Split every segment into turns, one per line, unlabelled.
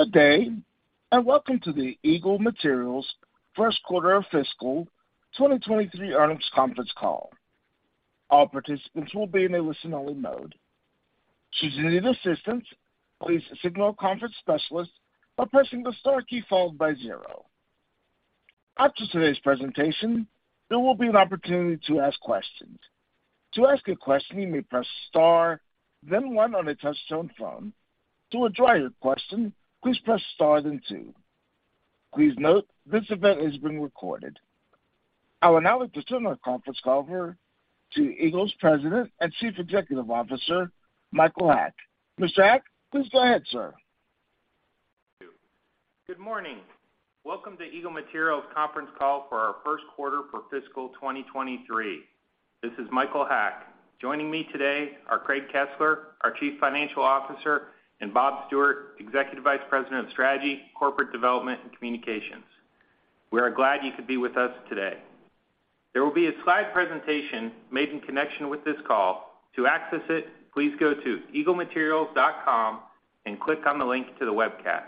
Good day, and welcome to the Eagle Materials first quarter fiscal 2023 earnings conference call. All participants will be in a listen-only mode. Should you need assistance, please signal a conference specialist by pressing the star key followed by zero. After today's presentation, there will be an opportunity to ask questions. To ask a question, you may press star, then one on a touchtone phone. To withdraw your question, please press star, then two. Please note this event is being recorded. I will now turn the conference call over to Eagle's President and Chief Executive Officer, Michael Haack. Mr. Haack, please go ahead, sir.
Good morning. Welcome to Eagle Materials conference call for our first quarter for fiscal 2023. This is Michael Haack. Joining me today are Craig Kesler, our Chief Financial Officer, and Bob Stewart, Executive Vice President of Strategy, Corporate Development, and Communications. We are glad you could be with us today. There will be a slide presentation made in connection with this call. To access it, please go to eaglematerials.com and click on the link to the webcast.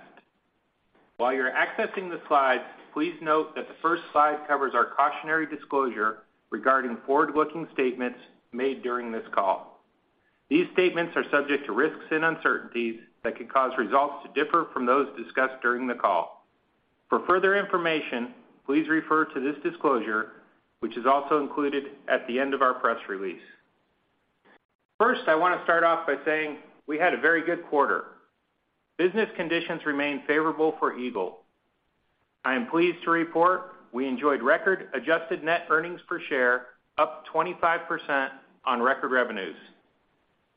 While you're accessing the slides, please note that the first slide covers our cautionary disclosure regarding forward-looking statements made during this call. These statements are subject to risks and uncertainties that could cause results to differ from those discussed during the call. For further information, please refer to this disclosure, which is also included at the end of our press release. First, I wanna start off by saying we had a very good quarter. Business conditions remain favorable for Eagle. I am pleased to report we enjoyed record adjusted net earnings per share up 25% on record revenues.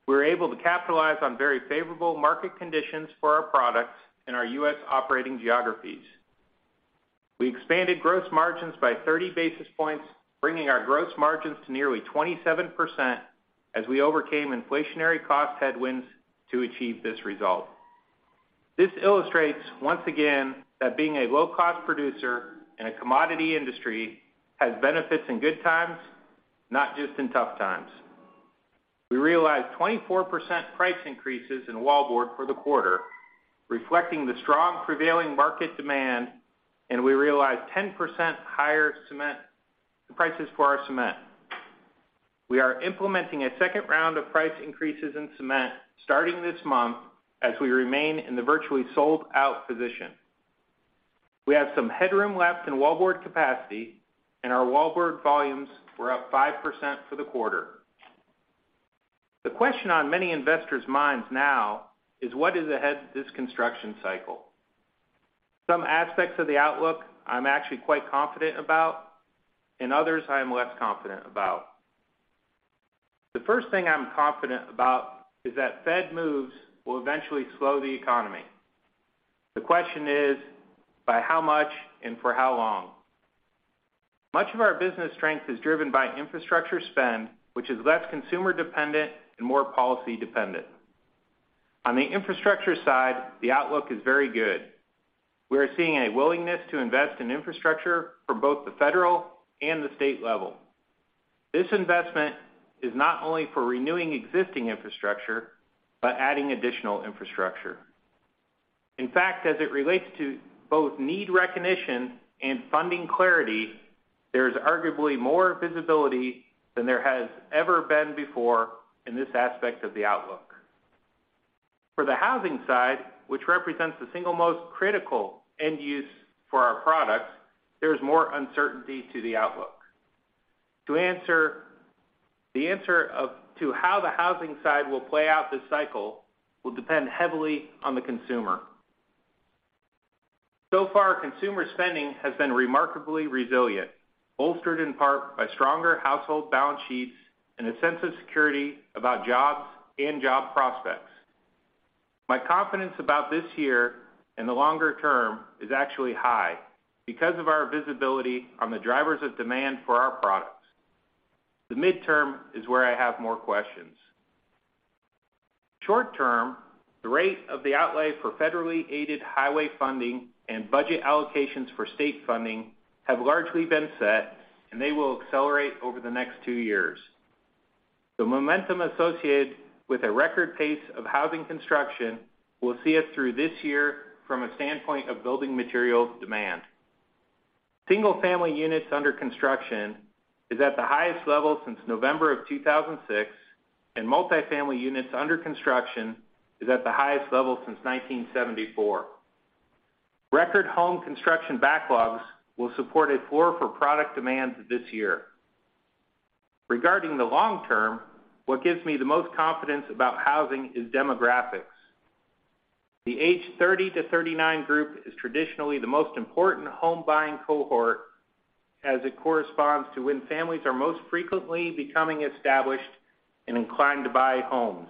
We were able to capitalize on very favorable market conditions for our products in our U.S. operating geographies. We expanded gross margins by 30 basis points, bringing our gross margins to nearly 27% as we overcame inflationary cost headwinds to achieve this result. This illustrates once again that being a low-cost producer in a commodity industry has benefits in good times, not just in tough times. We realized 24% price increases in wallboard for the quarter, reflecting the strong prevailing market demand, and we realized 10% higher cement prices for our cement. We are implementing a second round of price increases in cement starting this month as we remain in the virtually sold-out position. We have some headroom left in wallboard capacity, and our wallboard volumes were up 5% for the quarter. The question on many investors' minds now is what is ahead this construction cycle? Some aspects of the outlook I'm actually quite confident about, and others I am less confident about. The first thing I'm confident about is that Fed moves will eventually slow the economy. The question is, by how much and for how long? Much of our business strength is driven by infrastructure spend, which is less consumer dependent and more policy dependent. On the infrastructure side, the outlook is very good. We are seeing a willingness to invest in infrastructure for both the federal and the state level. This investment is not only for renewing existing infrastructure, but adding additional infrastructure. In fact, as it relates to both need recognition and funding clarity, there is arguably more visibility than there has ever been before in this aspect of the outlook. For the housing side, which represents the single most critical end use for our products, there's more uncertainty to the outlook. The answer to how the housing side will play out this cycle will depend heavily on the consumer. So far, consumer spending has been remarkably resilient, bolstered in part by stronger household balance sheets and a sense of security about jobs and job prospects. My confidence about this year and the longer term is actually high because of our visibility on the drivers of demand for our products. The midterm is where I have more questions. Short term, the rate of the outlay for federally aided highway funding and budget allocations for state funding have largely been set, and they will accelerate over the next two years. The momentum associated with a record pace of housing construction will see us through this year from a standpoint of building materials demand. Single-family units under construction is at the highest level since November 2006, and multifamily units under construction is at the highest level since 1974. Record home construction backlogs will support a floor for product demand this year. Regarding the long term, what gives me the most confidence about housing is demographics. The age 30 to 39 group is traditionally the most important home buying cohort as it corresponds to when families are most frequently becoming established and inclined to buy homes.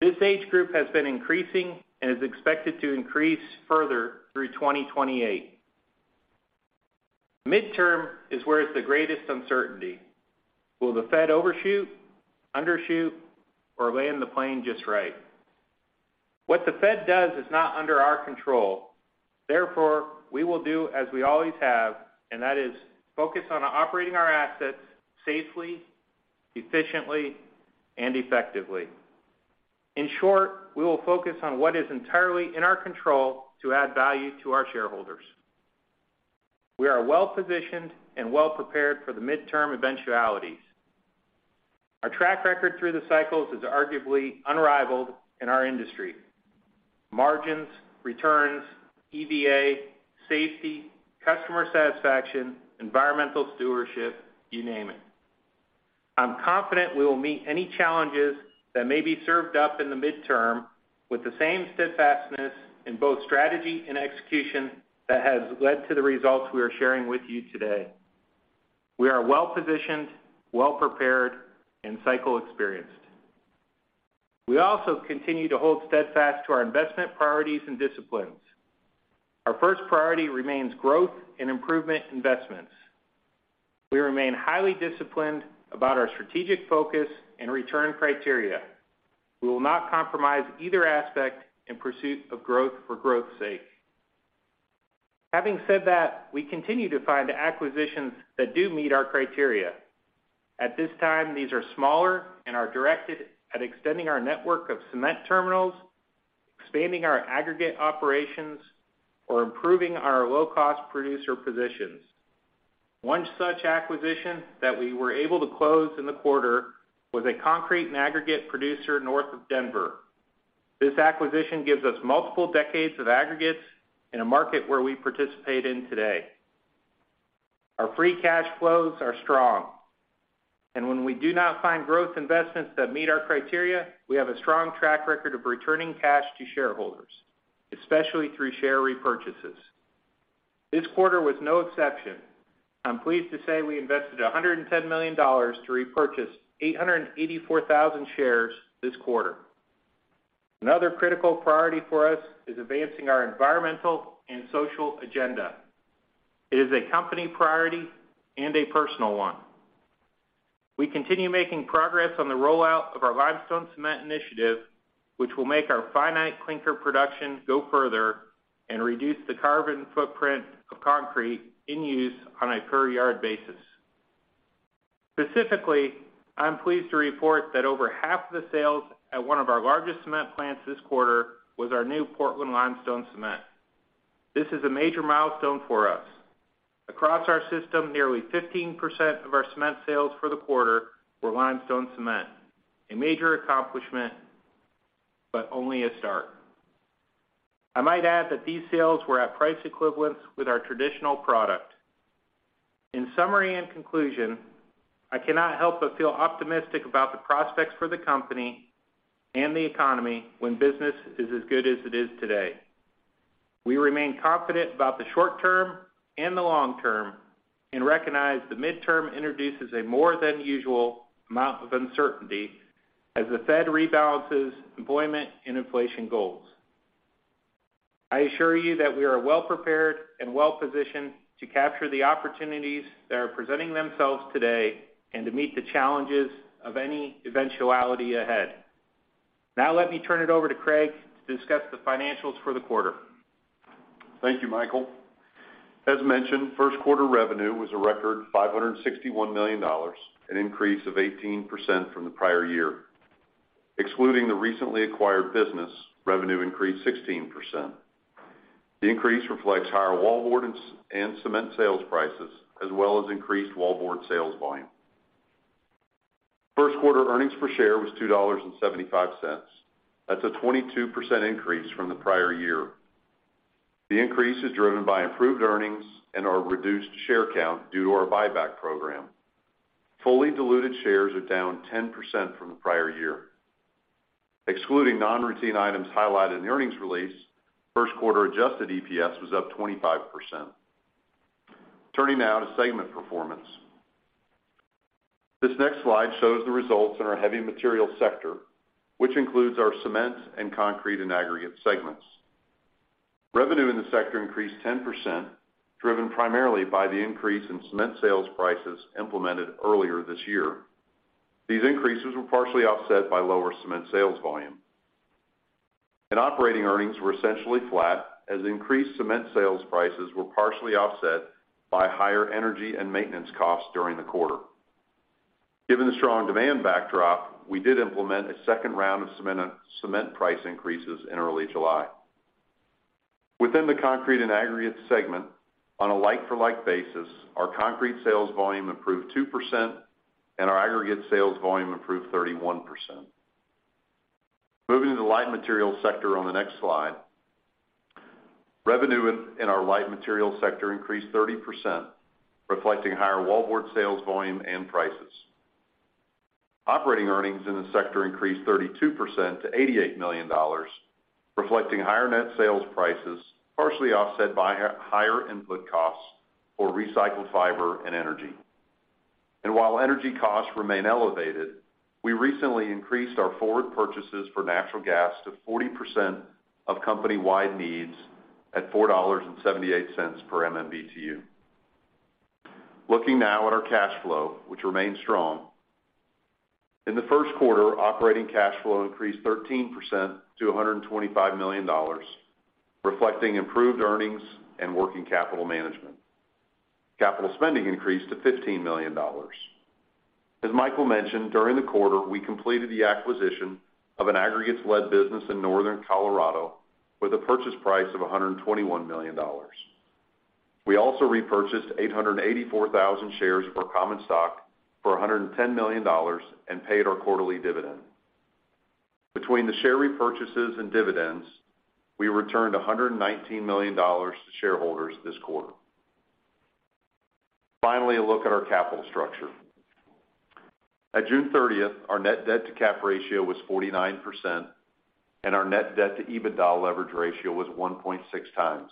This age group has been increasing and is expected to increase further through 2028. Midterm is where it's the greatest uncertainty. Will the Fed overshoot, undershoot, or land the plane just right? What the Fed does is not under our control. Therefore, we will do as we always have, and that is focus on operating our assets safely, efficiently, and effectively. In short, we will focus on what is entirely in our control to add value to our shareholders. We are well-positioned and well-prepared for the midterm eventualities. Our track record through the cycles is arguably unrivaled in our industry. Margins, returns, EVA, safety, customer satisfaction, environmental stewardship, you name it. I'm confident we will meet any challenges that may be served up in the midterm with the same steadfastness in both strategy and execution that has led to the results we are sharing with you today. We are well-positioned, well-prepared, and cycle experienced. We also continue to hold steadfast to our investment priorities and disciplines. Our first priority remains growth and improvement investments. We remain highly disciplined about our strategic focus and return criteria. We will not compromise either aspect in pursuit of growth for growth's sake. Having said that, we continue to find acquisitions that do meet our criteria. At this time, these are smaller and are directed at extending our network of cement terminals, expanding our aggregate operations, or improving our low-cost producer positions. One such acquisition that we were able to close in the quarter was a concrete and aggregate producer north of Denver. This acquisition gives us multiple decades of aggregates in a market where we participate in today. Our free cash flows are strong, and when we do not find growth investments that meet our criteria, we have a strong track record of returning cash to shareholders, especially through share repurchases. This quarter was no exception. I'm pleased to say we invested $110 million to repurchase 884,000 shares this quarter. Another critical priority for us is advancing our environmental and social agenda. It is a company priority and a personal one. We continue making progress on the rollout of our limestone cement initiative, which will make our finite clinker production go further and reduce the carbon footprint of concrete in use on a per yard basis. Specifically, I'm pleased to report that over half the sales at one of our largest cement plants this quarter was our new Portland limestone cement. This is a major milestone for us. Across our system, nearly 15% of our cement sales for the quarter were limestone cement, a major accomplishment, but only a start. I might add that these sales were at price equivalence with our traditional product. In summary and conclusion, I cannot help but feel optimistic about the prospects for the company and the economy when business is as good as it is today. We remain confident about the short term and the long term and recognize the midterm introduces a more than usual amount of uncertainty as the Fed rebalances employment and inflation goals. I assure you that we are well prepared and well-positioned to capture the opportunities that are presenting themselves today and to meet the challenges of any eventuality ahead. Now let me turn it over to Craig to discuss the financials for the quarter.
Thank you, Michael. As mentioned, first quarter revenue was a record $561 million, an increase of 18% from the prior year. Excluding the recently acquired business, revenue increased 16%. The increase reflects higher wallboard and cement sales prices, as well as increased wallboard sales volume. First quarter earnings per share was $2.75. That's a 22% increase from the prior year. The increase is driven by improved earnings and our reduced share count due to our buyback program. Fully diluted shares are down 10% from the prior year. Excluding non-routine items highlighted in the earnings release, first quarter adjusted EPS was up 25%. Turning now to segment performance. This next slide shows the results in our heavy material sector, which includes our cement and concrete and aggregate segments. Revenue in the sector increased 10%, driven primarily by the increase in cement sales prices implemented earlier this year. These increases were partially offset by lower cement sales volume. Operating earnings were essentially flat as increased cement sales prices were partially offset by higher energy and maintenance costs during the quarter. Given the strong demand backdrop, we did implement a second round of cement price increases in early July. Within the concrete and aggregates segment, on a like-for-like basis, our concrete sales volume improved 2% and our aggregate sales volume improved 31%. Moving to the light materials sector on the next slide. Revenue in our light materials sector increased 30%, reflecting higher wallboard sales volume and prices. Operating earnings in the sector increased 32% to $88 million, reflecting higher net sales prices, partially offset by higher input costs for recycled fiber and energy. While energy costs remain elevated, we recently increased our forward purchases for natural gas to 40% of company-wide needs at $4.78 per MMBtu. Looking now at our cash flow, which remains strong. In the first quarter, operating cash flow increased 13% to $125 million, reflecting improved earnings and working capital management. Capital spending increased to $15 million. As Michael mentioned, during the quarter, we completed the acquisition of an aggregates-led business in northern Colorado with a purchase price of $121 million. We also repurchased 884,000 shares of our common stock for $110 million and paid our quarterly dividend. Between the share repurchases and dividends, we returned $119 million to shareholders this quarter. Finally, a look at our capital structure. At June 30, our net debt to cap ratio was 49%, and our net debt to EBITDA leverage ratio was 1.6 times.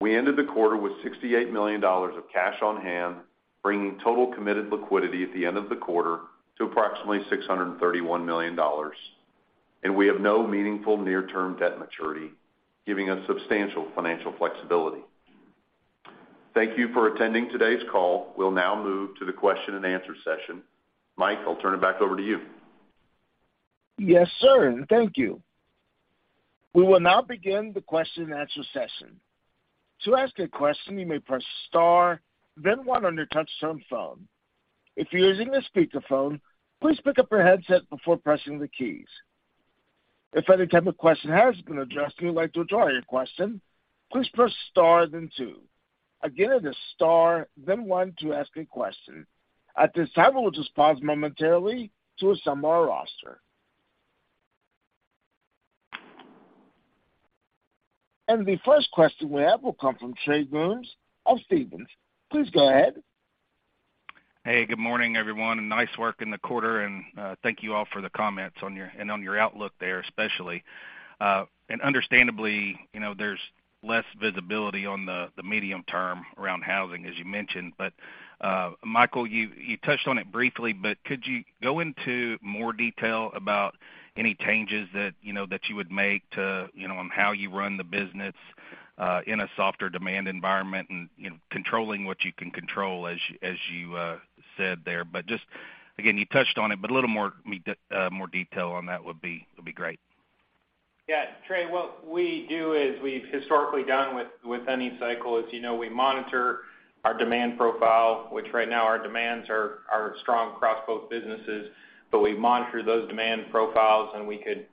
We ended the quarter with $68 million of cash on hand, bringing total committed liquidity at the end of the quarter to approximately $631 million. We have no meaningful near-term debt maturity, giving us substantial financial flexibility. Thank you for attending today's call. We'll now move to the question-and-answer session. Mike, I'll turn it back over to you.
Yes, sir. Thank you. We will now begin the question-and-answer session. To ask a question, you may press star then one on your touchtone phone. If you're using a speakerphone, please pick up your headset before pressing the keys. If any type of question has been addressed, and you'd like to withdraw your question, please press star then two. Again, it is star then one to ask a question. At this time, we'll just pause momentarily to assemble our roster. The first question we have will come from Trey Grooms of Stephens. Please go ahead.
Hey, good morning, everyone, and nice work in the quarter and, thank you all for the comments on your outlook there, especially. Understandably, you know, there's less visibility on the medium term around housing, as you mentioned. Michael, you touched on it briefly, but could you go into more detail about any changes that, you know, that you would make to, you know, on how you run the business, in a softer demand environment and, you know, controlling what you can control as you said there. Just, again, you touched on it, but a little more detail on that would be great.
Yeah. Trey, what we do is we've historically done with any cycle, as you know, we monitor our demand profile, which right now our demands are strong across both businesses, but we monitor those demand profiles, and we could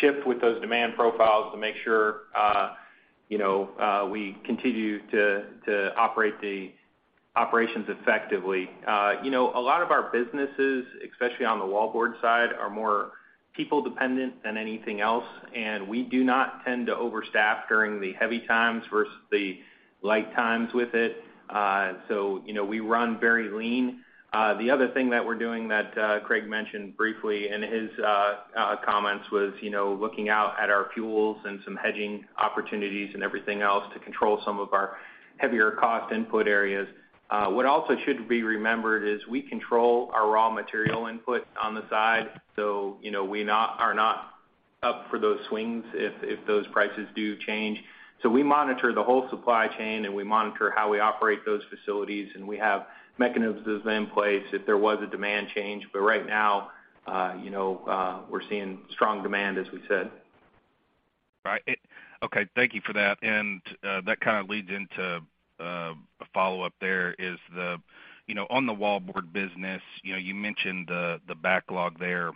shift with those demand profiles to make sure, you know, we continue to operate the operations effectively. You know, a lot of our businesses, especially on the wallboard side, are more people dependent than anything else, and we do not tend to overstaff during the heavy times versus the light times with it. So, you know, we run very lean. The other thing that we're doing that Craig mentioned briefly in his comments was, you know, looking out at our fuels and some hedging opportunities and everything else to control some of our heavier cost input areas. What also should be remembered is we control our raw material input on the side. You know, we are not up for those swings if those prices do change. We monitor the whole supply chain, and we monitor how we operate those facilities, and we have mechanisms in place if there was a demand change. Right now, you know, we're seeing strong demand, as we said.
Right. Okay, thank you for that. That kind of leads into a follow-up, you know, on the wallboard business, you know, you mentioned the backlog there.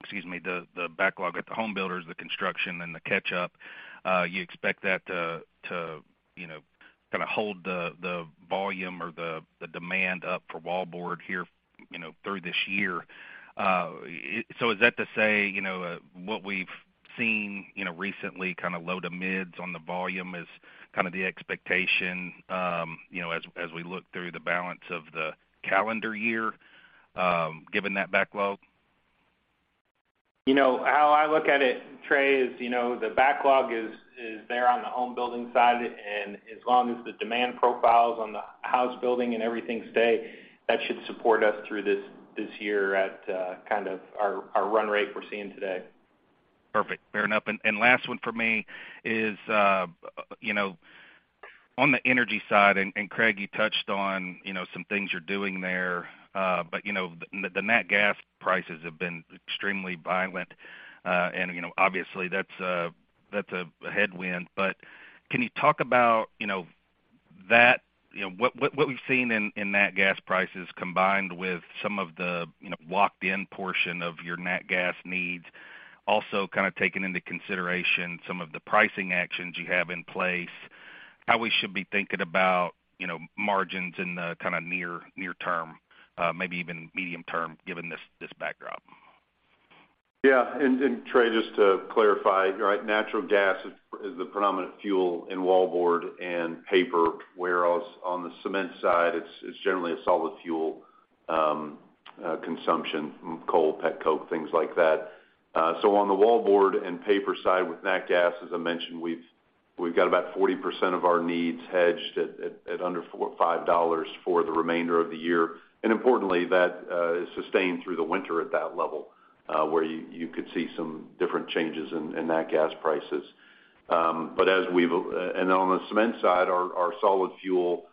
Excuse me, the backlog at the home builders, the construction and the catch-up. You expect that to, you know, kinda hold the volume or the demand up for wallboard here, you know, through this year. Is that to say, you know, what we've seen, you know, recently kinda low to mids on the volume is kinda the expectation, you know, as we look through the balance of the calendar year, given that backlog?
You know, how I look at it, Trey, is, you know, the backlog is there on the home building side, and as long as the demand profiles on the house building and everything stay, that should support us through this year at kind of our run rate we're seeing today.
Perfect. Fair enough. Last one for me is, you know, on the energy side, and Craig, you touched on, you know, some things you're doing there. You know, the nat gas prices have been extremely violent. You know, obviously that's a headwind. Can you talk about, you know, what we've seen in nat gas prices combined with some of the locked in portion of your nat gas needs, also kinda taking into consideration some of the pricing actions you have in place, how we should be thinking about, you know, margins in the kinda near term, maybe even medium term, given this backdrop?
Yeah. Trey, just to clarify, right, natural gas is the predominant fuel in wallboard and paper, whereas on the cement side, it's generally a solid fuel consumption, coal, petcoke, things like that. On the wallboard and paper side with nat gas, as I mentioned, we've got about 40% of our needs hedged at under $4 or $5 for the remainder of the year. Importantly, that is sustained through the winter at that level. Where you could see some different changes in nat gas prices. On the cement side, our solid fuel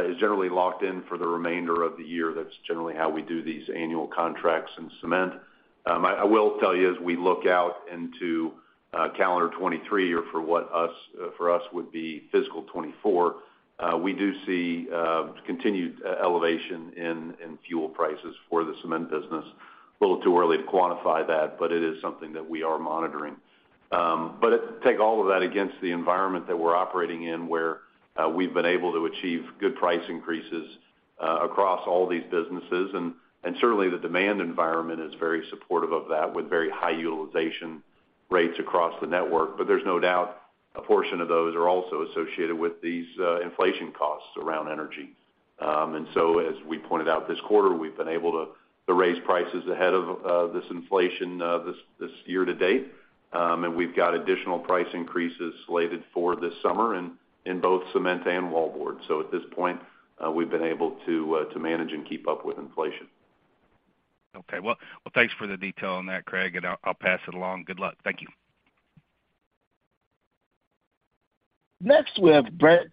is generally locked in for the remainder of the year. That's generally how we do these annual contracts in cement. I will tell you as we look out into calendar 2023, or for us would be fiscal 2024, we do see continued elevation in fuel prices for the cement business. A little too early to quantify that, but it is something that we are monitoring. Take all of that against the environment that we're operating in, where we've been able to achieve good price increases across all these businesses. Certainly the demand environment is very supportive of that with very high utilization rates across the network. There's no doubt a portion of those are also associated with these inflation costs around energy. As we pointed out this quarter, we've been able to raise prices ahead of this inflation this year to date. We've got additional price increases slated for this summer in both cement and wallboard. At this point, we've been able to manage and keep up with inflation.
Okay. Well, thanks for the detail on that, Craig, and I'll pass it along. Good luck. Thank you.
Next, we have Brent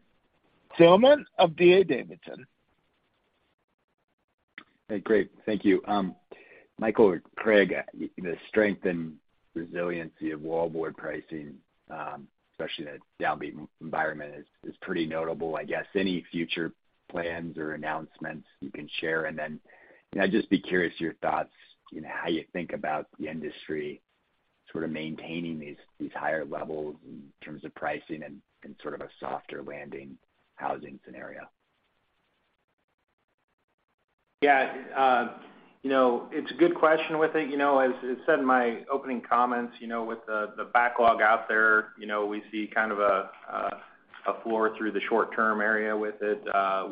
Thielman of D.A. Davidson & Co.
Hey, great. Thank you. Michael or Craig, the strength and resiliency of wallboard pricing, especially in a downbeat environment is pretty notable. I guess any future plans or announcements you can share? You know, I'd just be curious your thoughts, you know, how you think about the industry sort of maintaining these higher levels in terms of pricing and sort of a softer landing housing scenario.
Yeah. You know, it's a good question with it. You know, as I said in my opening comments, you know, with the backlog out there, you know, we see kind of a floor through the short term area with it.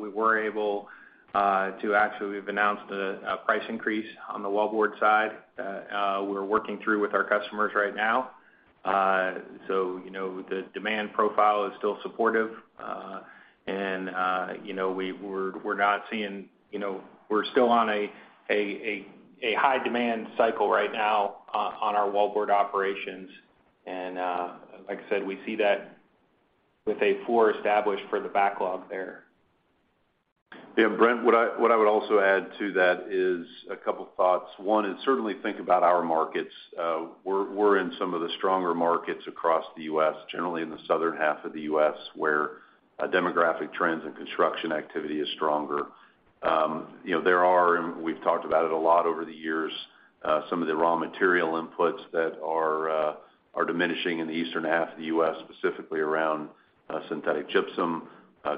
We were able to actually, we've announced a price increase on the wallboard side, we're working through with our customers right now. So, you know, the demand profile is still supportive. You know, we're not seeing, you know, we're still on a high demand cycle right now on our wallboard operations. Like I said, we see that with a floor established for the backlog there.
Yeah, Brent, what I would also add to that is a couple thoughts. One is certainly think about our markets. We're in some of the stronger markets across the U.S., generally in the southern half of the U.S., where demographic trends and construction activity is stronger. You know, there are, and we've talked about it a lot over the years, some of the raw material inputs that are diminishing in the eastern half of the U.S., specifically around synthetic gypsum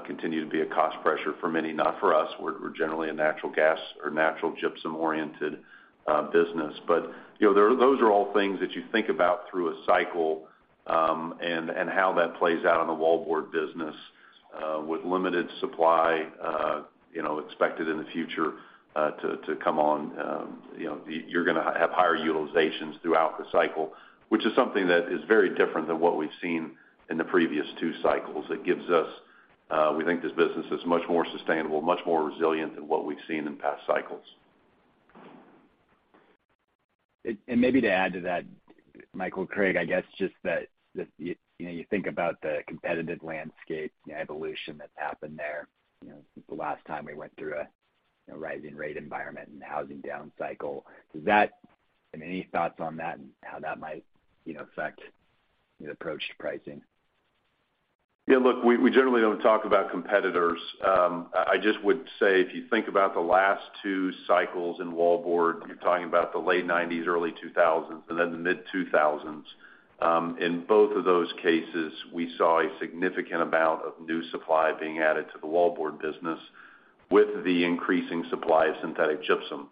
continue to be a cost pressure for many, not for us. We're generally a natural gypsum-oriented business. You know, those are all things that you think about through a cycle, and how that plays out on the wallboard business. With limited supply, you know, expected in the future, to come on, you know, you're gonna have higher utilizations throughout the cycle, which is something that is very different than what we've seen in the previous two cycles. It gives us, we think this business is much more sustainable, much more resilient than what we've seen in past cycles.
Maybe to add to that, Michael, Craig, I guess just that, you know, you think about the competitive landscape, the evolution that's happened there, you know, since the last time we went through a, you know, rising rate environment and housing down cycle. Does that have any thoughts on that and how that might, you know, affect your approach to pricing?
Yeah, look, we generally don't talk about competitors. I just would say if you think about the last two cycles in Wallboard, you're talking about the late 1990s, early 2000s, and then the mid-2000s. In both of those cases, we saw a significant amount of new supply being added to the Wallboard business with the increasing supply of synthetic gypsum.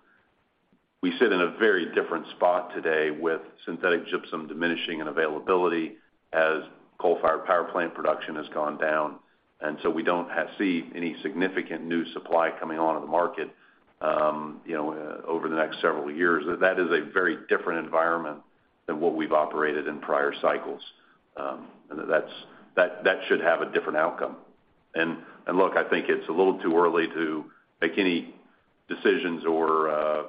We sit in a very different spot today with synthetic gypsum diminishing in availability as coal-fired power plant production has gone down. We don't see any significant new supply coming onto the market, you know, over the next several years. That is a very different environment than what we've operated in prior cycles. That should have a different outcome. Look, I think it's a little too early to make any decisions or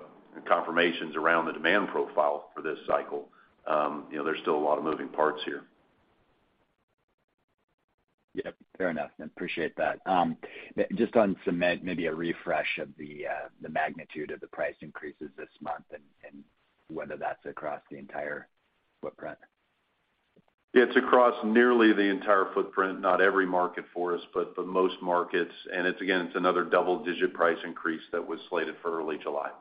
confirmations around the demand profile for this cycle. You know, there's still a lot of moving parts here.
Yep, fair enough. Appreciate that. Just on cement, maybe a refresh of the magnitude of the price increases this month and whether that's across the entire footprint?
It's across nearly the entire footprint, not every market for us, but most markets, and it's, again, another double-digit price increase that was slated for early July.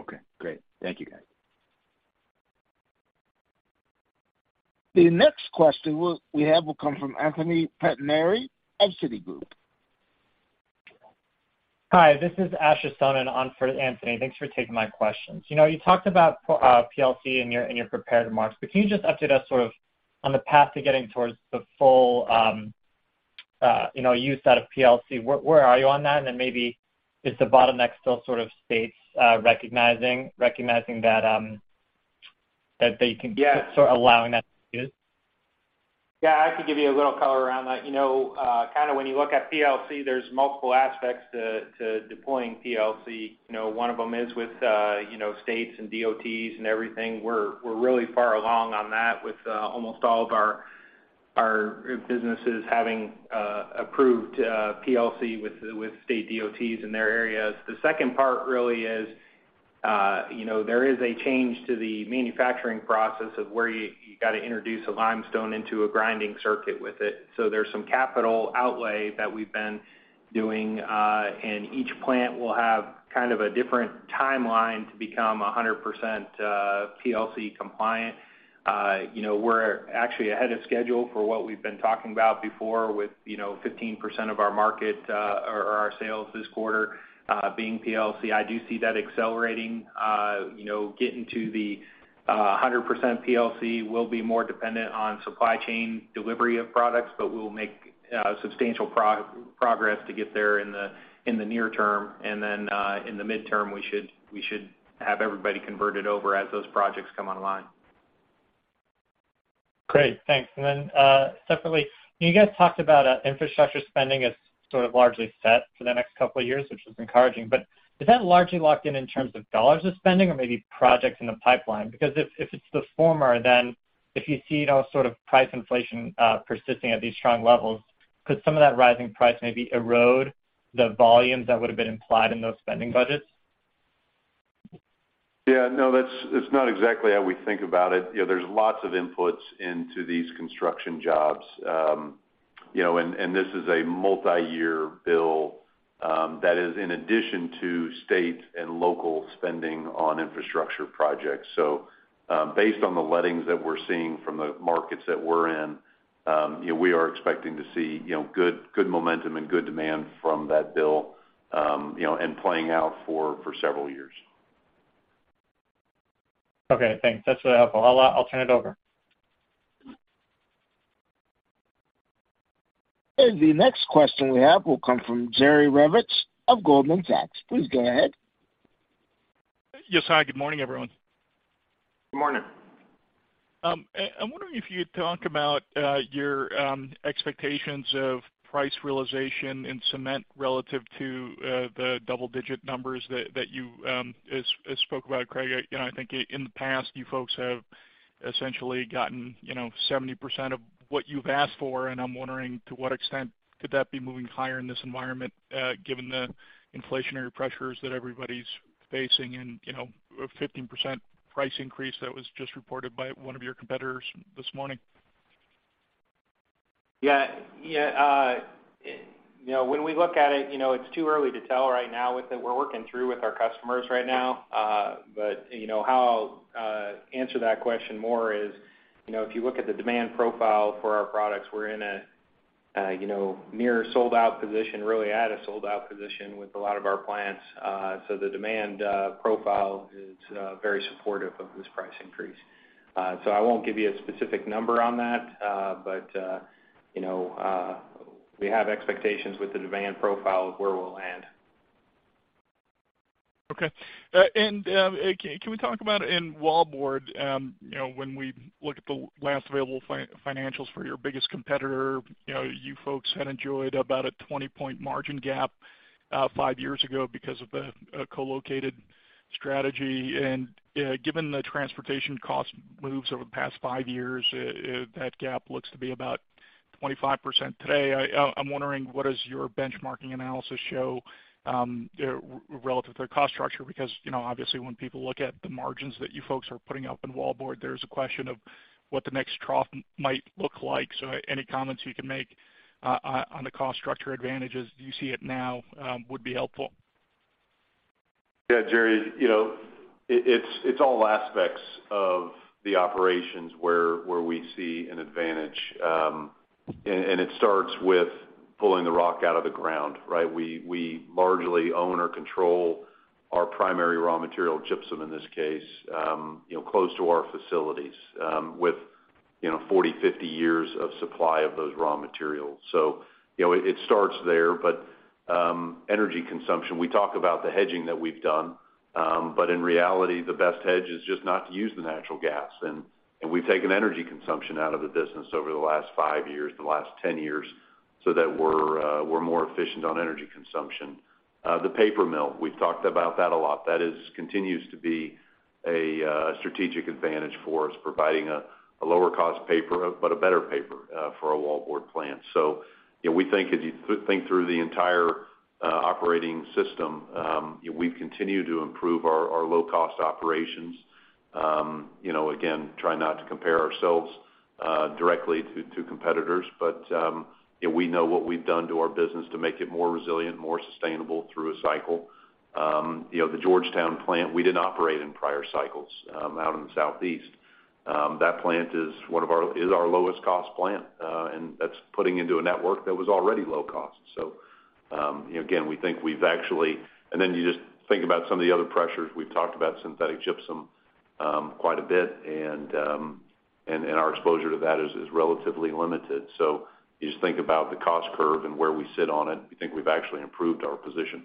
Okay, great. Thank you, guys.
The next question we have will come from Anthony Pettinari at Citigroup.
Hi, this is Asher Sohnen in for Anthony Pettinari. Thanks for taking my questions. You know, you talked about PLC in your prepared remarks, but can you just update us sort of on the path to getting towards the full, you know, use out of PLC? Where are you on that? Maybe is the bottleneck still sort of states recognizing that that they can-
Yeah.
sort of allowing that to be used?
Yeah, I could give you a little color around that. You know, kind of when you look at PLC, there's multiple aspects to deploying PLC. You know, one of them is with, you know, states and DOTs and everything. We're really far along on that with, almost all of our businesses having approved PLC with state DOTs in their areas. The second part really is, you know, there is a change to the manufacturing process of where you got to introduce a limestone into a grinding circuit with it. So there's some capital outlay that we've been doing, and each plant will have kind of a different timeline to become 100%, PLC compliant. You know, we're actually ahead of schedule for what we've been talking about before with, you know, 15% of our market, or our sales this quarter, being PLC. I do see that accelerating, you know, getting to the 100% PLC will be more dependent on supply chain delivery of products, but we'll make substantial progress to get there in the near term. In the midterm, we should have everybody converted over as those projects come online.
Great. Thanks. Separately, you guys talked about infrastructure spending as sort of largely set for the next couple of years, which is encouraging. Is that largely locked in in terms of dollars of spending or maybe projects in the pipeline? Because if it's the former, then if you see those sort of price inflation persisting at these strong levels, could some of that rising price maybe erode the volumes that would have been implied in those spending budgets?
Yeah, no, that's not exactly how we think about it. You know, there's lots of inputs into these construction jobs, you know, and this is a multiyear bill that is in addition to state and local spending on infrastructure projects. Based on the lettings that we're seeing from the markets that we're in, you know, we are expecting to see, you know, good momentum and good demand from that bill, you know, and playing out for several years.
Okay, thanks. That's really helpful. I'll turn it over.
The next question we have will come from Jerry Revich of Goldman Sachs. Please go ahead.
Yes. Hi, good morning, everyone.
Good morning.
I'm wondering if you'd talk about your expectations of price realization in cement relative to the double-digit numbers that you as spoke about, Craig. You know, I think in the past, you folks have essentially gotten, you know, 70% of what you've asked for, and I'm wondering to what extent could that be moving higher in this environment, given the inflationary pressures that everybody's facing and, you know, a 15% price increase that was just reported by one of your competitors this morning.
Yeah, yeah. You know, when we look at it, you know, it's too early to tell right now with it. We're working through with our customers right now. But you know, how I'll answer that question more is, you know, if you look at the demand profile for our products, we're in a, you know, near sold-out position, really at a sold-out position with a lot of our plants. So the demand profile is very supportive of this price increase. So I won't give you a specific number on that, but, you know, we have expectations with the demand profile of where we'll land.
Okay. Can we talk about, in wallboard, you know, when we look at the last available financials for your biggest competitor, you know, you folks had enjoyed about a 20-point margin gap, 5 years ago because of the co-located strategy. Given the transportation cost moves over the past 5 years, that gap looks to be about 25% today. I'm wondering, what does your benchmarking analysis show, relative to their cost structure? Because, you know, obviously when people look at the margins that you folks are putting up in wallboard, there's a question of what the next trough might look like. Any comments you can make on the cost structure advantages you see now would be helpful.
Yeah, Jerry, you know, it's all aspects of the operations where we see an advantage, and it starts with pulling the rock out of the ground, right? We largely own or control our primary raw material, gypsum in this case, you know, close to our facilities, with you know, 40, 50 years of supply of those raw materials. You know, it starts there. Energy consumption, we talk about the hedging that we've done, but in reality, the best hedge is just not to use the natural gas. We've taken energy consumption out of the business over the last five years, the last 10 years, so that we're more efficient on energy consumption. The paper mill, we've talked about that a lot. That continues to be a strategic advantage for us, providing a lower cost paper, but a better paper, for our wallboard plant. You know, we think as you think through the entire operating system, you know, we've continued to improve our low-cost operations. You know, again, try not to compare ourselves directly to competitors. You know, we know what we've done to our business to make it more resilient, more sustainable through a cycle. You know, the Georgetown plant, we didn't operate in prior cycles out in the Southeast. That plant is our lowest cost plant, and that's putting into a network that was already low cost. You know, again, we think we've actually. Then you just think about some of the other pressures. We've talked about synthetic gypsum quite a bit and our exposure to that is relatively limited. You just think about the cost curve and where we sit on it. We think we've actually improved our position.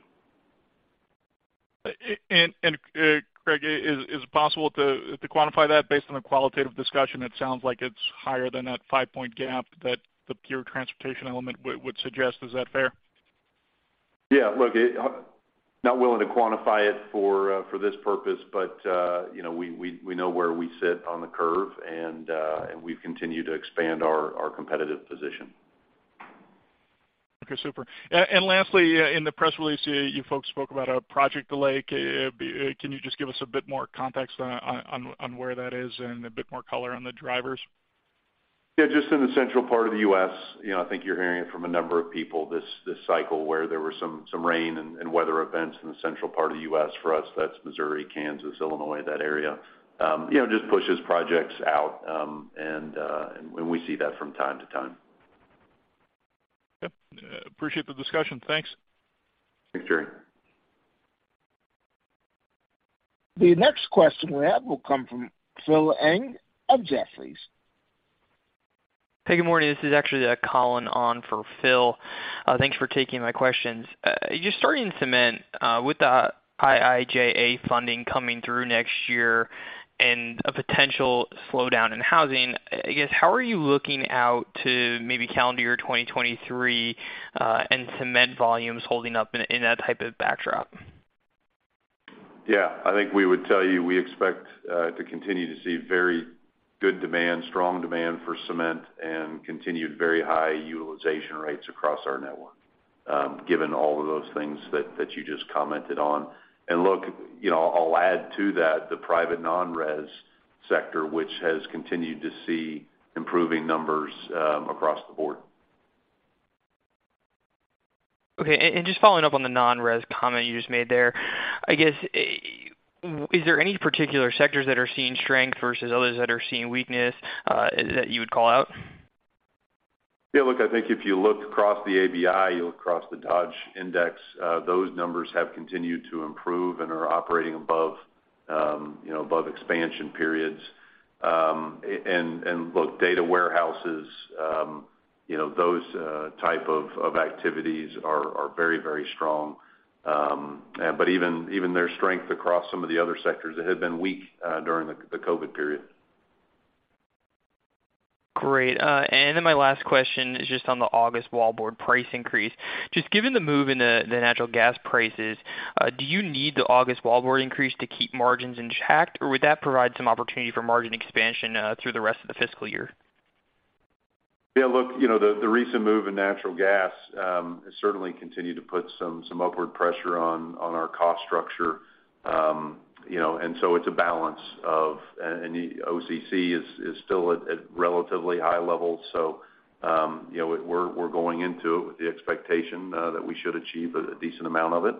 Craig, is it possible to quantify that based on a qualitative discussion? It sounds like it's higher than that 5-point gap that the pure transportation element would suggest. Is that fair?
Yeah. Look, not willing to quantify it for this purpose, but you know, we know where we sit on the curve and we've continued to expand our competitive position.
Okay. Super. Lastly, in the press release, you folks spoke about a project delay. Can you just give us a bit more context on where that is and a bit more color on the drivers?
Yeah, just in the central part of the U.S., you know, I think you're hearing it from a number of people this cycle where there were some rain and weather events in the central part of the U.S. For us, that's Missouri, Kansas, Illinois, that area. You know, just pushes projects out, and we see that from time to time.
Yep. Appreciate the discussion. Thanks.
Thanks, Jerry.
The next question we have will come from Philip Ng of Jefferies.
Hey, good morning. This is actually, Colin on for Philip Ng. Thanks for taking my questions. Just starting cement, with the IIJA funding coming through next year and a potential slowdown in housing, I guess, how are you looking out to maybe calendar year 2023, and cement volumes holding up in that type of backdrop?
Yeah. I think we would tell you we expect to continue to see very good demand, strong demand for cement and continued very high utilization rates across our network, given all of those things that you just commented on. Look, you know, I'll add to that the private non-res sector, which has continued to see improving numbers across the board.
Okay. Just following up on the non-res comment you just made there, I guess, is there any particular sectors that are seeing strength versus others that are seeing weakness, that you would call out?
Yeah. Look, I think if you look across the ABI, you look across the Dodge Index, those numbers have continued to improve and are operating above, you know, above expansion periods. Look, data warehouses, you know, those type of activities are very strong. But even their strength across some of the other sectors that had been weak during the COVID period.
Great. My last question is just on the August wallboard price increase. Just given the move in the natural gas prices, do you need the August wallboard increase to keep margins in check, or would that provide some opportunity for margin expansion through the rest of the fiscal year?
Yeah, look, you know, the recent move in natural gas has certainly continued to put some upward pressure on our cost structure. You know, OCC is still at relatively high levels. You know, we're going into it with the expectation that we should achieve a decent amount of it,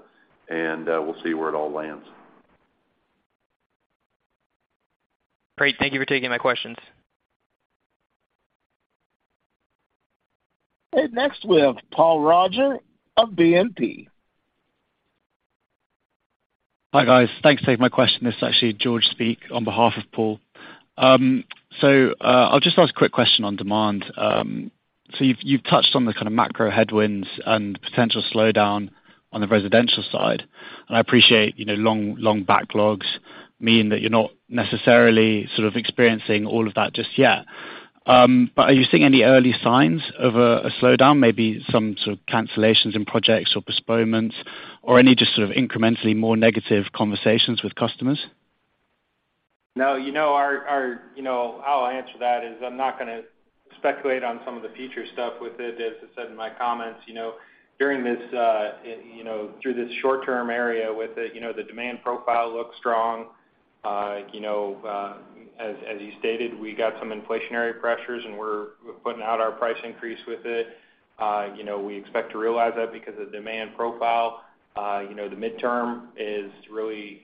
and we'll see where it all lands.
Great. Thank you for taking my questions.
Next, we have Paul Roger of BNP.
Hi, guys. Thanks for taking my question. This is actually George Speak on behalf of Paul. I'll just ask a quick question on demand. So you've touched on the kind of macro headwinds and potential slowdown on the residential side. I appreciate, you know, long backlogs mean that you're not necessarily sort of experiencing all of that just yet. But are you seeing any early signs of a slowdown, maybe some sort of cancellations in projects or postponements or any just sort of incrementally more negative conversations with customers?
No. You know, our how I'll answer that is I am not gonna speculate on some of the future stuff with it. As I said in my comments, you know, through this short-term area with it, you know, the demand profile looks strong. You know, as you stated, we got some inflationary pressures, and we're putting out our price increase with it. You know, we expect to realize that because the demand profile, you know, the midterm is really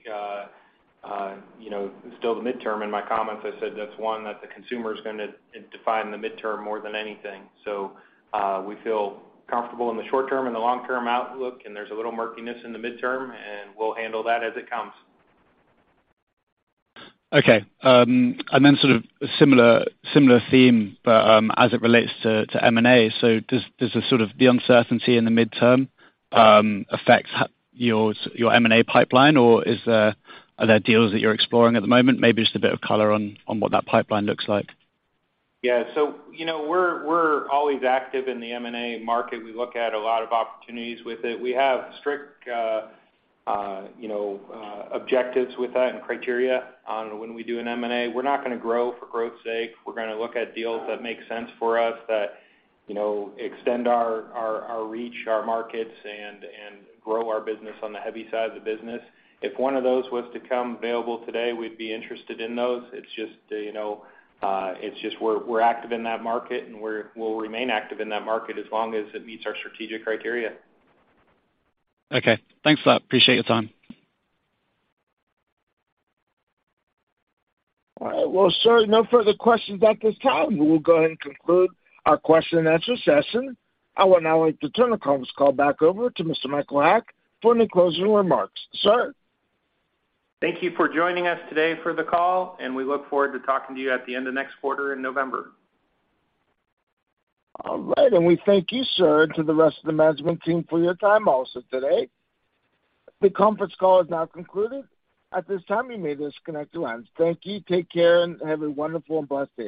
still the midterm. In my comments, I said that's one that the consumer is gonna define the midterm more than anything. We feel comfortable in the short term and the long-term outlook, and there's a little murkiness in the midterm, and we'll handle that as it comes.
Okay. Sort of similar theme, but as it relates to M&A. Does the uncertainty in the midterm affect your M&A pipeline, or are there deals that you're exploring at the moment? Maybe just a bit of color on what that pipeline looks like.
Yeah. You know, we're always active in the M&A market. We look at a lot of opportunities with it. We have strict, you know, objectives with that and criteria on when we do an M&A. We're not gonna grow for growth's sake. We're gonna look at deals that make sense for us that, you know, extend our reach, our markets, and grow our business on the heavy side of the business. If one of those was to come available today, we'd be interested in those. It's just, you know, it's just we're active in that market, and we'll remain active in that market as long as it meets our strategic criteria.
Okay. Thanks for that. Appreciate your time.
All right. Well, sir, no further questions at this time. We will go ahead and conclude our question and answer session. I would now like to turn the conference call back over to Mr. Michael Haack for any closing remarks. Sir?
Thank you for joining us today for the call, and we look forward to talking to you at the end of next quarter in November.
All right. We thank you, sir, and to the rest of the management team for your time also today. The conference call is now concluded. At this time, you may disconnect your lines. Thank you. Take care, and have a wonderful and blessed day.